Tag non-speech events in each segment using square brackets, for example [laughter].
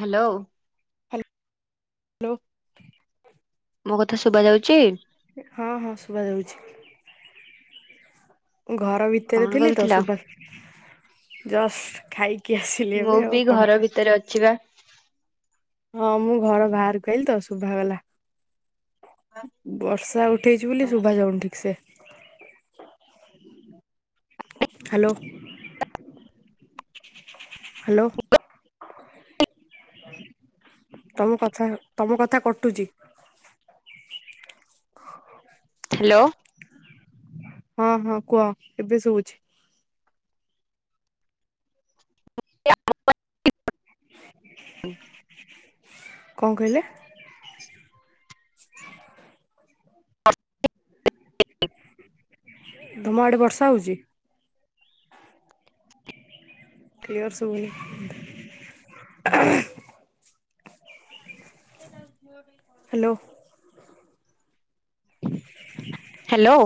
Hello. ଲୋ। ମୋ କଥା ଶୁବା ଯାଉଛି। ହଁ ହଁ ଶୁବାଯାଉଛି। ଘର ଭିତରେ କଣ ଥିଲି ତ କରୁଥିଲ? ସୁବା ଜଷ୍ଟ ଖାଇ କି ଆସିଲି ମୁଁ ଏବେ ଆଉ ବି କଣ ଘର କ ଭିତରେ ଅଛି ବା। ହଁ ମୁଁ ଘର ବାହାରକୁ ଆଇଲିି ତ ଶୁଭା ଗଲା ବର୍ଷା ଉ ଉଠେଇଛି ବୋଲି ଶୁଭା ଯାଉନି ଠିକ ସେ। ହାଲୋ। ହାଲୋ। ତମ କଥା ତମ କଥା କଟୁଚି। ହାଲୋ। ହଁ ହଁ କୁହ ଏବେ ଶୁଭୁଚି‌। [unintelligible] କଣ କହିଲେ। [unintelligible] [inaudible] ତମ ଆଡ଼େ ବର୍ଷା ହୋଉଚି। କ୍ଲିୟର ଶୁଭୁନି। ହଁ [unintelligible] ଟିକ ଦ ଜୋର ବି [unintelligible] ହାଲୋ। ହାଲୋ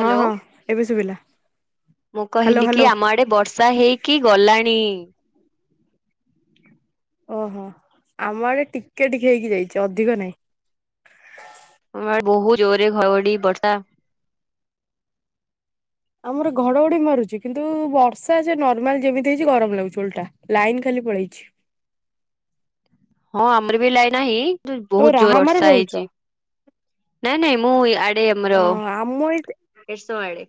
ହଁ ହଁ ଏବେ ଶୁବିଲା। ମୁଁ କହିଲି କି ଆମ ଆଡେ ବର୍ଷା ହେଇକି ଗଲାଣି। ଓହୋ ଆମ ଆଡେ ଟିକେ ଟିକେ ହେଇକି ଯାଇଛି ଅଧିକ ନାହିଁ। ଆମ ଆଡେ ବହୁ ଜୋରରେ ଘଢଘଢି ବର୍ଷା। ଆମର ଘଢଘଢି ମାରୁଛି କିନ୍ତୁ ବର୍ଷା ସେ ନର୍ମାଲ ଯେମିତି ହେଇଛି ଗରମ ଲାଗୁଛି ଓଲଟା ଲାଇନ ଖାଲି ପଳେଇଛି। ହଁ ଆମର ବି ଲାଇ ନାହିଁ ତ ବହୁତ ଜୋର ରାହାମାରେ ବର୍ଷା ରହୁଛ ହେଇଛି। ନାଇଁ ନାଇଁ ମୁଁ ଆଡେ ଆମର ଅ ଆମ ଏ [unintelligible]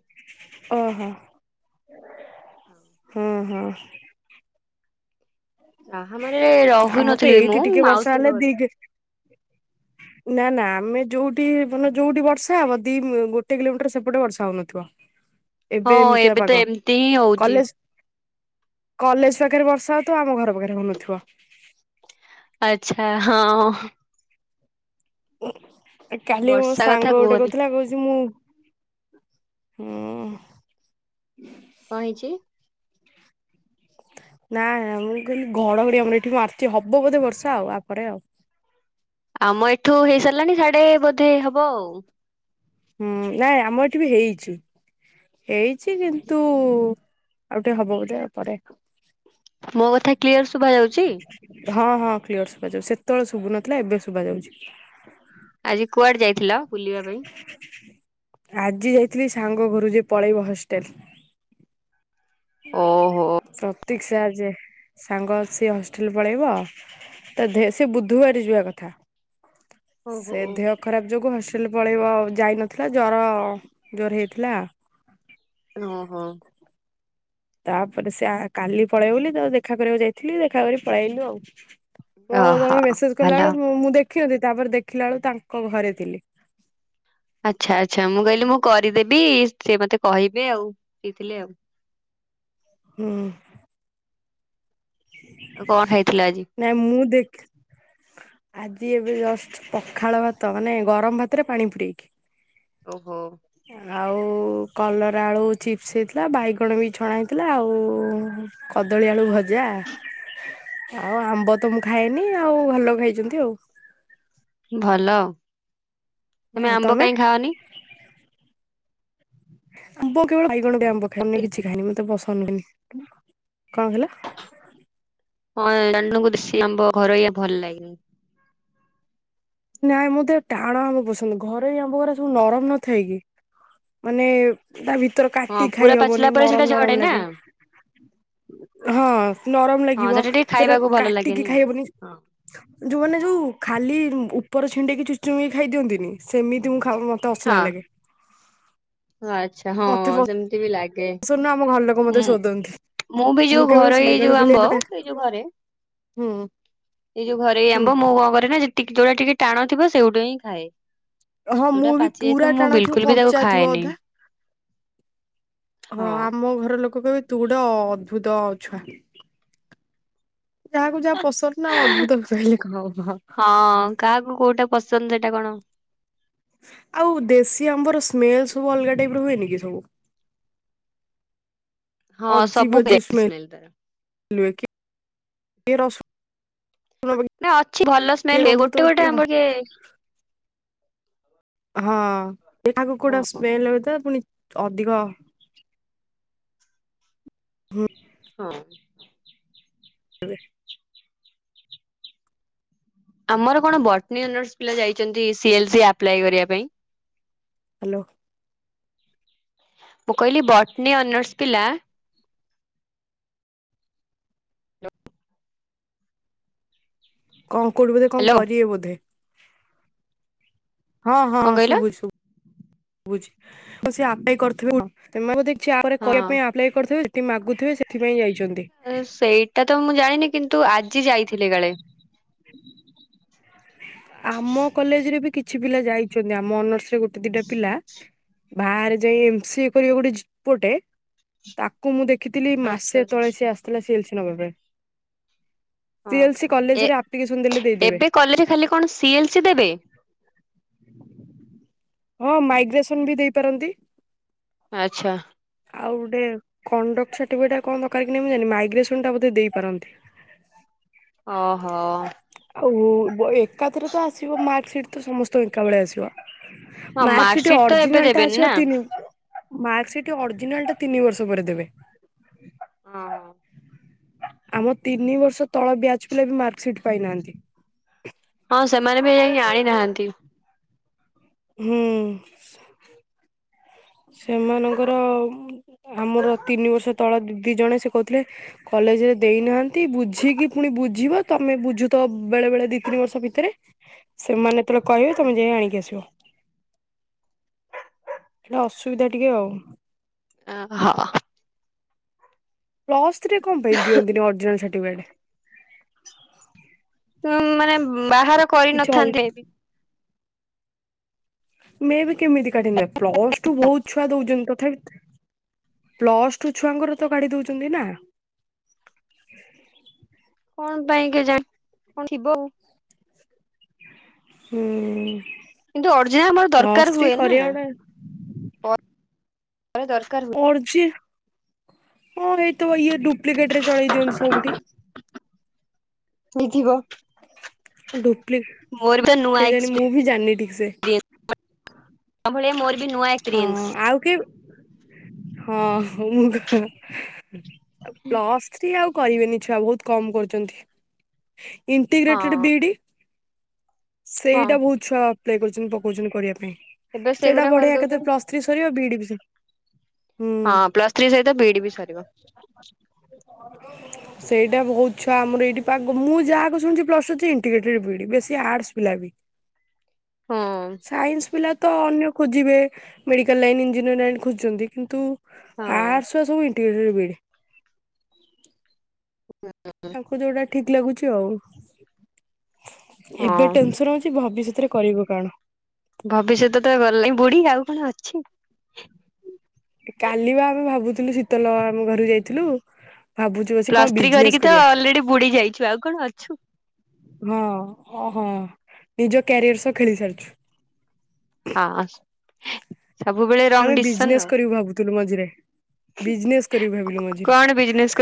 ଓହୋ ହୁଁ ହୁଁ। ରାହାମା ରେ ରହୁ ଆମର ତ ନଥିଲି ଏଇଠି ମୁଁ ଟିକେ ବର୍ଷା ହେଲେ ମାଉସୀଙ୍କ ଘରେ ଦି ନା ନା ଆମେ ଯୋଉଠି ମାନେ ଯୋଉଠି ବର୍ଷା ହବ ଦି ଗୋଟେ କିଲୋମିଟର ସେପଟେ ବର୍ଷା ହୋଉନଥିବ। ହଁ ଏବେ ତ ଏମିତି ହିଁ ହୋଉଚି। କଲେଜ କଲେଜ ପାଖରେ ବର୍ଷା ହଉଥିବ ଆମ ଘର ପାଖରେ ହୋଉନଥିବ। ଆଚ୍ଛା ହଁ। କାଲି ମୋ ବର୍ଷା କଥା ସାଙ୍ଗ ଗୋଟେ କୁହନି କହୁଥିଲା କହୁଚି ମୁଁ। କଁ ହେଇଚି? ନା ନା ମୁଁ କହିଲି ଘଢଘଢି ଆମର ଏଠି ମାରଚି ହବ ବୋଧେ ବର୍ଷା ୟା ପରେ ଆଉ। ଆମ ଏଠୁ ହେଇ ସାରିଲାଣି ସାଢେ ବୋଧେ ହବ ଆଉ। ହୁଁ ନାଇଁ ଆମ ଏଠି ବି ହେଇଚି-ହେଇଚି ଆଚ୍ଛା କିନ୍ତୁ ଆଚ୍ଛା। ଆଉ ଟିକେ ହବ ବୋଧେ ପରେ। ମୋ କଥା କ୍ଲିୟର ଶୁଭା ଯାଉଚି? ହଁ-ହଁ କ୍ଲିଅର ଶୁଭା ଯାଉଚି ସେତବେଳେ ଶୁଭୁନଥିଲା ଏବେ ଶୁଭା ଯାଉଚି। ଆଜି କୁଆଡେ ଯାଇଥିଲ ବୁଲିବା ପାଇଁ? ଆଜି ଯାଇଥିଲି ସାଙ୍ଗ ଘରୁକୁ ଯିଏ ପଳେଇବ ହଷ୍ଟେଲେ। ଓହୋ। [unintelligible] ଆଜେ ସାଙ୍ଗ ସେ ହଷ୍ଟେଲ ପଳେଇବ ତ ଧେ ସେ ବୁଧୁବାରେ ଯିବା କଥା। ଓହୋ। ସେ ଦେହ ଖରାପ ଯୋଗୁ ହଷ୍ଟେଲ୍ ପଳେଇବ ଯାଇନଥିଲା ଜର ଜୋର ହେଇଥିଲା। ହଁ-ହଁ। ତାପରେ ସେ ଆ କାଲି ପଳେଇବ ବୋଲି ତ ଦେଖା କରିବାକୁ ଯାଇଥିଲି ଦେଖା କରିକି ପଳେଇ ଆଇଲୁ ଆଉ। ହଉ ତମେ ମେସେଜ୍ ଭଲ। କଲା ବେଳେ ମୁଁ ଦେଖିନଥିଲି ତାପରେ ଦେଖିଲା ବେଳକୁ ତାଙ୍କ ଘରେ ଥିଲି। ଆଚ୍ଛା-ଆଚ୍ଛା ମୁଁ କହିଲି ମୁଁ କରିଦେବି ସିଏ ମତେ କହିବେ ଆଉ ସିଇଥିଲେ ଆଉ। ହୁଁ। ହଁ [inaudible] ଆଉ କଣ ଖାଇଥିଲ ଆଜି? ନା ମୁଁ ଦେଖି ଆଜି ଏବେ ଜଷ୍ଟ ପଖାଳ ଭାତ ମାନେ ଗରମ ଭାତରେ ପାଣି ପୁରେଇକି। ଓହୋ। ଆଉ କଲରା ଆଳୁ ଚିପ୍ସ ହେଇଥିଲା ବାଇଗଣ ବି ଛଣା ହେଇଥିଲା ଆଉ କଦଳୀ ଆଳୁ ଭଜା। ଆଉ ଆମ୍ବ ତ ମୁଁ ଖାଏନି ଆଉ ଭଲ ଖାଇଛନ୍ତି ଆଉ। ଭଲ ତମେ ଆମ୍ବ କାହିଁକି ଖାଅନି? ଆମ୍ବ କେବଳ ବାଇଗଣ [unintelligible] ଆମ୍ବ ଖାଏ ଅନ୍ୟ କିଛି ଖାଏନି ମତେ [unintelligible] କଁ କହିଲ? ହଁ [unintelligible] ଦେଶି ଆମ୍ୱ ଘରୟା ଭଲ ଲାଗେନି। ନାଇଁ ମୋତେ ଟାଣ ଆମ ପସନ୍ଦ ଘରୋଇ ଆମ୍ୱଗୁଡା ସବୁ ନରମ ନଥାଏ କିି ମାନେ ତା ଭିତର ହଁ କାଟିକି ପୁରା ଖାଇ ପାଚିଲା ହବନି ପରେ ସେଇଟା ଝଡେ ନରମ-ନରମ ନା ଲାଗେ। ହଁ ନରମ ହଁ ଲାଗିବ ଟିକେ ସେଟା ଖାଇବାକୁ ଭଲ ଲାଗେନି କାଟିକି ଆଉ। ଖାଇ ହବନି। ଯୋଉ ମାନେ ଯୋଉ ଖାଲି ଉପର ଛିଣ୍ଡେଇକି ଚୁଚୁମିକି ଖାଇ ଦିଅନ୍ତିନି ସେମିତି ମୁଁ ଖାଉ [unintelligible] ହଁ ଅସନା ଲାଗେ। ଆଚ୍ଛା ହଁ-ହଁ ସେମିତି ବି ଲାଗେ। ତୁନା ଆମ ଘରଲୋକ। ହୁଁ ମୁଁ ବି ଯୋଉ ସେ ଘରୋଇ ବାଇଗଣ ଯୋଉ ବିଲାତି ଆମ୍ବ ପଟା ଏଇ ଯୋଉ ଘରେ ହୁଁ। ଏଇ ଯୋଉ ଘରୋଇ ହୁଁ ଆମ୍ବ ମୁଁ କଣ କରେନା ଟିକେ ଯୋଉଟା ଟିକେ ଟାଣ ଥିବ ସେଇଗୁଟା ହିଁ ଖାଏ। ହଁ ମୁଁ ଯୋଉଟା ବି ପାଚି ଯାଇଥିବ ପୁରା ମୁଁ ଟାଣ ଥିବ ବିଲକୁଲ ବି ତାକୁ କଞ୍ଚା ଥିବ ଖାଏନି ଅଧା ହଁ ଆମ ଘର ଲୋକ କହିବେ ତୁ ଗୁଟେ ଅଦ୍ଭୁତ ଛୁଆ। ଯାହାକୁ ଯାହା ପସନ୍ଦ ନା ଅଦଦ୍ଭୁତ୍ କହିଲେ କଁ ହବ। ହଁ କାହାକୁ କୋଉଟା ପସନ୍ଦ ସେଟା କଣ ଆଉ ଦେଶୀ ଆମ୍ବର ସ୍ମେଲ୍ ସବୁ ଅଲଗା ଟାଇପ୍ ର ହୁଏନି କି ସବୁ? ହଁ ଅଜୀବ ସବୁ ଅଜୀବ [unintelligible] ସ୍ମେଲ ସ୍ମେଲ୍। ହୁଏ କିଏ କିଏ ରସୁଣ ପକେଇ ଗୋଟେ ଅଛି ଭଲ କିଏ ସ୍ମେଲ୍ ହୁଏ ଗନ୍ଧଉଥିବ ଗୋଟେ-ଗୋଟେ ହ- ଆମ୍ବ କିଏ ହଁ ଏ ତାକୁ କୋଉଟା ସ୍ମେଲ ଆଉଛି ତ ପୁଣି ଅଧିକ [unintelligible] ହଁ [unintelligible] ଆମର କଣ ବୋଟନୀ ଅନର୍ସ ପିଲା ଯାଇଛନ୍ତି, ସିଏଲସି ଆପ୍ଲାଏ କରିବା ପାଇଁ। ହେଲୋ ମୁଁ କହିଲି ବୋଟନୀ ଅନର୍ସ୍ ପିଲା କଣ କୋଉଠି ବୋଧେ, କଣ ହ୍ୟାଲୋ କରିବେ ବୋଧେ। ହଁ ହଁ କଣ କହିଲ ଶୁଭୁ ଶୁଭୁ ବୁଝି ସେ ଅପ୍ଲାଏ କରିିଥିବେ ତ ବୋଧେ ହଁ କରିବା ପାଇଁ ଏପ୍ଲାଏ କରିଥିବେ, ସେଥି ମାଗୁଥିବେ ସେଥିପାଇଁ ଯାଇଛନ୍ତି। ସେଇଟା ତ ମୁଁ ଜାଣିନି କିନ୍ତୁ ଆଜି ଯାଇଥିଲି କାଳେ। ଆମ କଲେଜରେ ବି କିଛି ପିଲା ଯାଇଛନ୍ତି, ଆମ ଅନର୍ସ ରେ ଗୋଟେ ଦିଟା ପିଲା। ବାହାରେ ଯାଇ ଏମସିଏ କରିବେ ଗୋଟେ ପୁଅ ଟେ। ତାକୁ ମୁଁ ଦେଖିଥିଲି ଆଚ୍ଛା ମାସେ ତଳେ ସିଏ ଆସିଥିଲା ସିଏଲସି ନେବା ପାଇଁ। ହଁ ସିଏଲସି ହଁ। ଏ କଲେଜରେ ଆପ୍ଲିକେସନ ଦେଲେ ଦେଇଦେବେ। ଏବେ କଲେଜରେ ଖାଲି କଣ ସିଏଲ୍ ସି ଦେବେ। ହଁ ମାଇଗ୍ରେସନ ବି ଦେଇପାରନ୍ତି। ଆଚ୍ଛା ଆଉ ଗୋଟେ କଣ୍ଡକ୍ଟ ସାର୍ଟିଫିକେଟ ଟା କଣ ଦରକାର କି ନାଇ ମୁଁ ଜାଣିନି, ମାଇଗ୍ରେସନ୍ ଟା ବୋଧେ ଦେଇପାରନ୍ତି। ଓହୋ ଆଉ ଏକାଥରେ ତ ଆସିବ ମାର୍କସିଟ ତ ସମସ୍ତଙ୍କ ଏକା ବଳେ ଆସିବ। ହଁ ମାର୍କସିଟ ତ ଏବେ ଅରିଜିନାଲ ଟା ଦେବେନି ଆସିବ ନା? ତିନି ମାର୍କସିଟ ଅରିଜିନାଲ ଟା ତିନି ବର୍ଷ ପରେ ଦେବେ। ହଁ ଆମ ତିନି ବର୍ଷ ତଳ ବେଞ୍ଚ ପିଲା ବି ମାର୍କସିଟ ପାଇନାହାନ୍ତି। ହଁ ସେମାନେ ବି ଯାଇକି ଆଣି ନାହାନ୍ତି। ହୁଁ ସେମାନଙ୍କର ଆମର ତିନି ବର୍ଷ ତଳ ଦି ଜଣେ ସେ କହୁଥିଲେ। କଲେଜରେ ଦେଇନାହାନ୍ତି ବୁଝିକି ପୁଣି ବୁଝିବ ତମେ ବୁଝୁ ତ ବେଳେ ବେଳେ ଦି ତିନି ବର୍ଷ ଭିତରେ ସେମାନେ ଯେତେବେଳେ କହିବେ, ତମେ ଯାଇ ଆଣିକି ଆସିବ। ସେଟା ଅସୁବିଧା ଟିକେ ଆଉ ଆ ହଁ ହଁ ପ୍ଲ ଥ୍ରୀରେ କଣ ପାଇଁ ଦିଅନ୍ତିି ନି ଅରିଜିନାଲ୍ ସାର୍ଟିଫିକେଟ। ମାନେ ବାହାର କିଛି ଅଲ କରିନଥାନ୍ତେ ବି। ମେବି କେମିତି କାଟିବ ପ୍ଲସ ଟୁ ବହୁତ ଛୁଆ ଦଉଛନ୍ତି ତଥାପି ପ୍ଲସ ଟୁ ଛୁଆଙ୍କର ତ କାଢି ଦଉଛନ୍ତି ନା। କଣ ପାଇଁ କେ ଜାଣି, କଣ ଥିବ ଆଉ। ହୁଁ କିନ୍ତୁ ଓରିଗିନାଲ ଆମର ପ୍ଲସ ଦରକାର ଥ୍ରୀ ହୁଏ ନା, କରିବା ଗୋଟେ ପରେ ଦରକାର ହୁଏ। ପର୍ ଯେ, ହଁ ଏଇତ ଇଏ ଡୁପ୍ଲିକେଟରେ ଚଳେଇ ଦିଅନ୍ତି ସବୁଠି। ବି ଥିବ। ଡୁପ୍ଲି ମୋର ବି କେ ଜାଣି ମୁଁ ବି ଜାଣିନି ଠିକ ସେ। ତା ଭଳିଆ ମୋର ବି ନୂଆ ହଁ ଏକ୍ସପିରିନ୍ସ। ଆଉ କି ହଁ ମୁ ପ୍ଲସ୍ ଥ୍ରୀ ଆଉ କରିବେନି ଛୁଆ। ବହୁତ କମ କରୁଛନ୍ତି। ହଁ ଇଣ୍ଟିଗ୍ରେଟେଡ୍ ବିଇ ଡି ହଁ ସେଇଟା ବହୁତ ଛୁଆ ଆପ୍ଲାଏ କରୁଛନ୍ତି। ପକଉଛନ୍ତି କରିବା ପାଇଁ। ଏବେ ସେଇଟା ସେଗୁରା ବଢିଆ। ଏକାଥରେ କରିଦଉଛନ୍ତି। କେ ପ୍ଲସ ଥ୍ରୀ ସରିବ ବିଡି ବି ସ ହଁ ପ୍ଲସ୍ ଥ୍ରୀ ସହିତ ବିଇଡି ବି ସରିବ। ସେଇଟା ବହୁତ ଛୁଆ ଆମର ଏଇଠି ମୁଁ ଯାହାକୁ ଶୁଣିଛି ପ୍ଲସ୍ ଥ୍ରୀ ସରୁଚି ଇଣ୍ଟିଗ୍ରେଟେଡ ବିଇଡି ପିଲା ବି ହଁ ସାଇନ୍ସ ପିଲା ତ ଅନ୍ୟ ଖୋଜିବେ। ମେଡ଼ିକାଲ ଲାଇନ୍ ଇଞ୍ଜିନିୟର ଲାଇନ୍ ଖୋଜୁଛନ୍ତି। କିନ୍ତୁ ହଁ ଆର୍ଟ୍ସ ର ସବୁ ଇଣ୍ଟିଗ୍ରେଟଡ ବିଇଡି। ହ ତାଙ୍କୁ ଯୋଉଟା ଠିକ ଲାଗୁଛି ଆଉ। ଏବେ ହଁ ଟେନସନ ଅଛି କି ଭବିଷ୍ୟତରେ କରିବୁ କଣ ଭବିଷ୍ୟତ ତ ଗଲାନି ବୁଡି। ଆଉ କଣ ଅଛି କାଲି ବା ଆମେ ଭାବୁଥିଲୁ ଶୀତଲ ଆମ ଘରକୁ ଯାଇଥିଲୁ ଭାବୁଛୁ ବସି ପ୍ଲସ୍ କଣ ଥ୍ରୀ କରିକି ବିଜନେସ୍ ତ କରିବା। ଅଲରେଡି ବୁଡି ଯାଇଛୁ ଆଉ କଣ ଅଛୁ। ହଁ ଓ ହଁ ନିଜ କ୍ୟାରିୟର ସହ ଖେଳି ସାରିଛୁ। ହଁ ସବୁବେଳେ ରଙ୍ଗ ଆମେ ଡିସିସନ ବିଜନେସ୍ ଆଉ। କରିବୁ ଭାବୁଥିଲୁ ମଝିରେ। ବିଜନେସ କରିବି ଭାବିଲୁ ମଝିରେ କଣ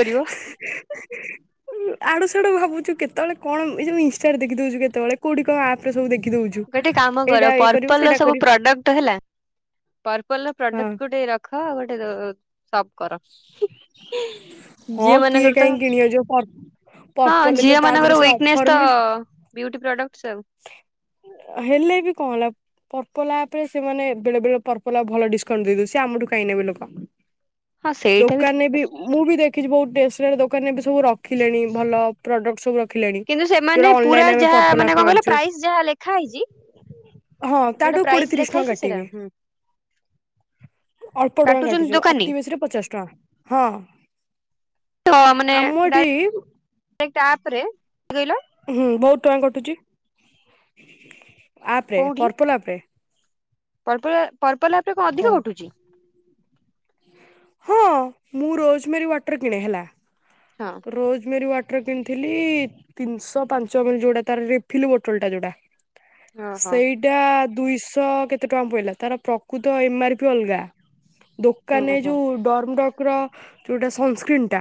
[unintelligible] ଆଡୁ ସିଆଡୁ ଭାବୁଛୁ କେତେବେଳେ କଣ ଏ ଯୋଉ ଇଷ୍ଟା ଦେଖିଦଉଛୁ କେତେବେଳେ କୋଉଠି କଣ ରେ ସବୁ ଦେଖି ଦଉଛୁ ଗୋଟେ କାମ କର ଏଇଟା ଏଇ କରିବୁ ପର୍ପଲ ର ସେଇଟା ସବୁ କରିବୁ ପ୍ରଡକ୍ଟ ହେଲା ପର୍ପଲ ର ହଁ ପ୍ରଡକ୍ଟ ଗୋଟେ ରଖ ଗୋଟେ ସପ କର ହ ହଁ କିଏ କାହିଁ କିଣି ବ ଯୋଉ ହଁ ପର୍ପଲରେ ତ ଝିଅ ତା ଦେହରେ ମାନଙ୍କର ସେ ୱିକନେସ୍ ଅଫର ତ ମିଳେ ବିଉଟି ପ୍ରଡକ୍ଟ ସବୁ ହେଲେ ବି କଣ ହେଲା ପରପଲ ଆପ୍ ରେ ସେମାନେ ବେଳେ ବେଳେ ପରପଲ ଆପ ଭଲ ଡିସକାଉଣ୍ଟ ଦେଇ ଦଉଚି। ସେ ଆମଠୁ କାହିଁ ନେବେ ଲୋକ ହଁ ସେଇଟା ଠିକ ଦୋକାନରେ ବି କଥା। ମୁଁ ବି ଦେଖିଛି ବହୁତ ଟେସ୍ନାରୀ ଦୋକାନରେ ସବୁ ରଖ ରଖିଲେଣି ଭଲ ପ୍ରଡକ୍ଟ ସବୁ ରଖିଲେଣି। କିନ୍ତୁ ସେମାନେ ଯୋଉଟା ପୁରା ଅନଲାଇନରେ ଆମେ ଯାହା ପର୍ପଲ ମାନେ କଣ କହିଲ ଆଣିଛୁ ପ୍ରାଇସ୍ ଯାହା ଲେଖା ହେଇଛି ହଁ ଯୋଉଟା ତାଠୁ କୋଡିଏ ପ୍ରାଇସ୍ ତିରିଶ ଲେଖା ଟଙ୍କା ହେଇଛି ସେଇଟା କାଟିବେ ହୁଁ ଅଳ୍ପ ଟଙ୍କା କାଟୁଛନ୍ତି। ଅତି ବେଶୀରେ ପଚାଶ ଟଙ୍କା। ହଁ ହ ଆମ ମାନେପ ଏଠି କହିଲ ହୁଁ ବହୁତ ଟଙ୍କା କଟୁଛି। ଆପରେ କୋଉଠି ପର୍ପଲ ଆପ ରେ ପର୍ପଲ ପର୍ପଲ ଆପ ରେ କଣ ଅଧିକ କଟୁଚି ହଁ। ମୁଁ ରୋଜମେରୀ ୱାଟର୍ କିଣେ ହେଲା ହଁ। ରୋଜମେରୀ ୱାଟର୍ କିଣିଥିଲି ତିନିଶହ ପାଞ୍ଚ ଏମ୍ ଏଲ ଯୋଉଟା ତାର ରି ବୋଟଲ ଟା ଯୋଉଟା ଓହୋ ସେଇ ଏଟା ଦୁଇଶହ କେତେ ଟଙ୍କା ପଇିଲା ତାର ପ୍ରକୃତ ଏମ ଆର ପି ଅଲଗା। କାଲି ହୁଁ ଏ ହୁଁ ଯୋଉ ଡରମ ଡକ ର ଯୋଉଟା ସନସ୍କ୍ରିନ୍ ଟା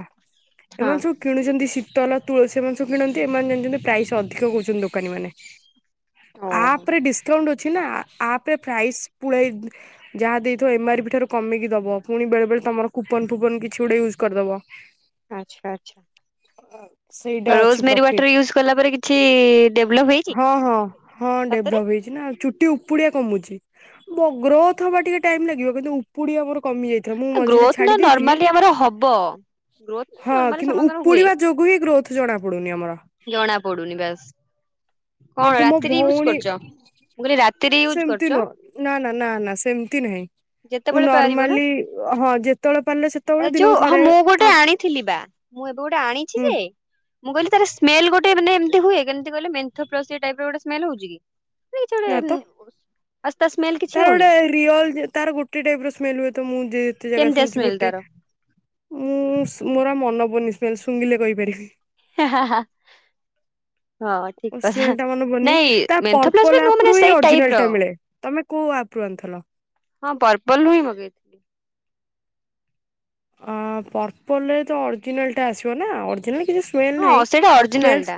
ହଁ ଏମାନେ ସବୁ କିଣୁଛନ୍ତି ଶୀତଲ ତୁଳସୀ ଏମାନେ ସବୁ କିଣନ୍ତି। ଏମାନେ ଜାଣିଛନ୍ତି ପ୍ରାଇସ୍ ଅଧିକ କହୁଛନ୍ତି ଦୋକାନୀ ମାନେ ଓହୋ ଆପରେ ଡିସ୍ ସ୍କାଉଣ୍ଟ୍ ଅଛି ନା। ଆପ୍ରେ ପ୍ରାଇସ୍ ପୁଳାଏ ଯାହା ଦେଇଥିବ ଏମ ଆର୍ ପି ଠାରୁ କମେଇକି ଦେବ। ପୁଣି ବେଳେ ବେଳେ ତୁମର କୁପନ୍ ଫୁପନ୍ କିଛି ଗୋଟେ ୟୁଜ୍ କରିଦବ। ଆଚ୍ଛା। ଆଚ୍ଛା। ସେଇଟା ଅଛି ରୋଜ୍ମେରୀ ପ୍ରଫିଟ ୱାଟର ୟୁଜ କଲା ପରେ କିଛି ଡେଭଲପ୍ ହେଇଛି। ହଁ ହଁ ହଁ, ସତରେ ଡେଭ୍ଲପ୍ ହେଇଛି। ନା ଚୁଟି ଉପୁଡିଆ କମୁଛି। ମୋ ଗ୍ରୋଥ୍ ହବା ଟିକେ ଟାଇମ ଲାଗିବ କିନ୍ତୁ ଉପୁଡିଆ ମୋର କମି ଯାଇଥିଲା। ମୁଁ ମଝିରେ ଗ୍ରୋଥ ଛାଡି ନା ଦେଇଥିଲି। ନର୍ମାଲି ଆମର ହବ ଗ୍ରୋଥ ହଁ ନର୍ମାଲି କିନ୍ତୁ ସମସ୍ତଙ୍କର ହୁଏ ଉପୁଡିବା ଯୋ ହିଁ ଗ୍ରୋଥ ଜଣା ପଡୁନି ଆମର। ଜଣା ପଡୁନି ବାସ୍। କଣ କିନ୍ତୁ ମୋ ରାତିରେ ୟୁଜ ଭଉଣୀ କରୁଛ ମୁଁ କହିଲି ନା ରାତିରେ ୟୁଜ କରୁଛ ସେମ୍ତି ନୁହଁ। ନା ନା ନା ନା ସେମତି ନାହିଁ। ଯେତେବେଳେ [unintelligible] ପାରିବ ନା ରୁମାଲି ହଁ ଯେତେବେଳେ ପାଇଲେ ସେତେବେଳେ ଯୋଉ ଦିନକୁ ହଁ ଥରେ ମୁଁ ଗୋଟେ ଆଣିଥିଲି ବା ମୁଁ ଏବେ ଗୋଟେ ଆଣିଛି ହୁଁ ଯେ ମୁଁ କହିଲି ତାର ସ୍ମେଲ ଗୋଟେ ମାନେ ଏମ୍ତି ହୁଏ, କେମିତି କହିଲେ ମେନ୍ଥପ୍ଲସ୍ ଟଇପ୍ର ଗୋଟ ସ୍ମେଲ୍ ହଉଛି କି? କିଛି ନା ତ ଗୋଟେ ଆସ୍ତା ସ୍ମେଲ୍ କିଛି ହଉନି। ପିଅର୍ଲ ତାର ଗୋଟେ ଟାଇପ୍ର ସ୍ମେଲ ହୁଏ ତ। ମୁଁ ଯେତେ ଜାଗା କେମିତିଆ ଶୁଣିଛି ସ୍ମେଲ ଗୋଟେ। ତାର ମୁଁ ମୋର ମନ ପଡୁନି ସ୍ମେଲ୍। ଶୁଙ୍ଗିଲେ କହି ପାରିବି। ହା ହା ହା। ହଁ ଠିକ୍ ଓ ସ୍ମେଲ କଥା। ଟା ମନେ ପଡୁନି ନାଇଁ ତା ମେଂଥପ୍ଲସ୍ ପର୍ପଲ ବି ଆପ ରୁ ମାନେ ହିଁ ସେଇ ଅରିଜିନାଲ ଟାଇପ୍ର। ଟା ମିଳେ। ତମେ କୋଉ ଆପ୍ ରୁ ଆଣିଥିଲ। ହଁ ପର୍ପଲରୁ ହଁ ମଗେଇ ଥିଲି। ହଁ ପର୍ପଲରେ ତ ଅରିଜିନାଲ୍ଟା ଆସିବ ନା। ଅରିଜିନାଲ୍ କିଛି ସ୍ମେଲ ହଁ ନାହିଁ। ସେଇଟା ସ୍ମେଲ ଅରିଜିନାଲଟା।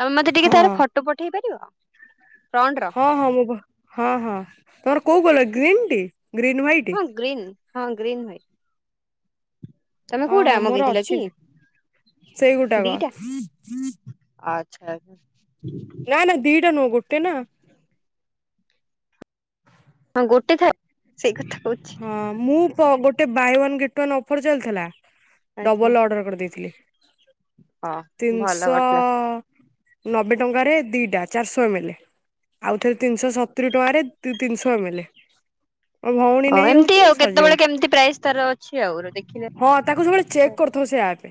ତମେ ମତେ ଟିକେ ତାର ହଁ ଫ ଫଟ ପଠେଇ ପାରିବ, ଫ୍ରଣ୍ଟର। ହଁ ହଁ ମୁଁ ହଁ ହଁ ତମର କୋଉ କଲର୍ ଗ୍ରୀନ୍ ଟି, ଗ୍ରୀନ୍ ହ୍ୱାଇଟ୍। ହଁ ଗ୍ରୀନ୍। ହଁ ଗ୍ରୀନ୍ ହ୍ୱାଇ ତମେ ହଁ କୋଉଟା ହଁ ମୋର ମଗେଇଥିଲ ଅଛି କି? ସେଇ ଗୋଟାକ ଦି ଟା ଆଚ୍ଛା। [unintelligible] ନା ନା ଦିଟା ନୁଅଁ। ଗୋଟେ ନା ହଁ ଗୋଟେ ଥାଉ। ସେଇ କଥା। କହୁଛି ହଁ। ମୁଁ ତ ଗୋଟେ buy one get one offer ଚାଲିଥିଲା। ଆଚ୍ଛା ଡବଲ୍ ଅର୍ଡର କରି ଦେଇଥିଲି ହଁ ଭଲ ତିନିଶ କରିଥିଲା। ନବେ ଟଙ୍କାରେ ଦିଟା ଚାରିଶହ ଏମ୍ ଏଲ୍। ଆଉଥରେ ତିନିଶହ ସତୁରି ଟଙ୍କାରେ ତିନିଶହ ଏମ୍ ଏଲ୍। ମୋ [unintelligible] ହଁ ଏମିତି ହଉଚି ଆଉ କେତେବେଳେ ସରିଯାଉଛି। କେମିତି ପ୍ରାଇସ୍ ତାର ଅଛି ଆଉ ଦେଖିଲେ ହଁ, ତାକୁ ସବୁବେଳେ ଚେକ୍ କରୁଥିବ ସେ ଆପ୍।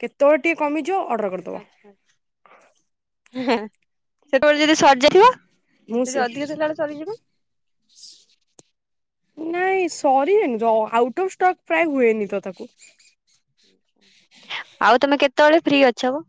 କେତେବେଳେ ଟିକେ କମିଯିବ ଅର୍ଡର କର ଆଚ୍ଛା। ହାଁ। ସେତବେଳେ ଯଦି ସରି ଯାଇଯିବ। ମୁଁ ଯଦି ସେ ଅଧିକ ଥିଲା ବେଳେ ସରିଯିବ। ନାଇଁ ସରି ଅନି ତ। ଆଉଟ ଅଫ୍ ଷ୍ଟକ୍ ପ୍ରାୟ ହୁଏନି ତ ତାକୁ। ଆଉ ତମେ କେତେବେଳେ ଫ୍ରି ଅଛ।